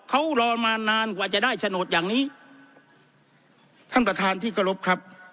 เขารอมานานกว่าจะได้โฉนดอย่างนี้ท่านประธานที่เคารพครับ